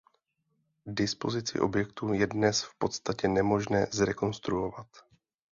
Dispozici objektu je dnes v podstatě nemožné zrekonstruovat.